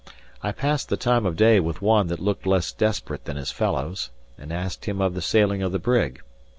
I passed the time of day with one that looked less desperate than his fellows, and asked him of the sailing of the brig.